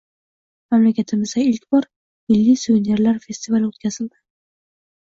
Mamlakatimizda ilk bor “Milliy suvenirlar” festivali o‘tkazilding